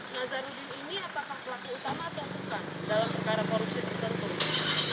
nazarudin ini apakah pelaku utama atau bukan dalam perkara korupsi tertentu